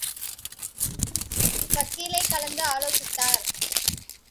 வக்கீலைக் கலந்து ஆலோசித்தார்.